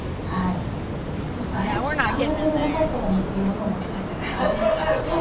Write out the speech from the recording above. そうすると「あれ？買う予定じゃなかったのに」というものを持ち帰ったりとかして。